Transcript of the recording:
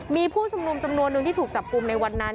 มีผู้ชุมนุมจำนวนนึงที่ถูกจับกลุ่มในวันนั้น